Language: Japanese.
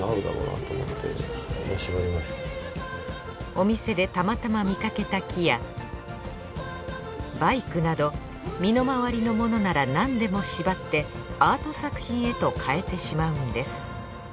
お店でたまたま見かけた木やバイクなど身の回りのものならなんでも縛ってアート作品へと変えてしまうんです。